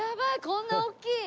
こんな大きい！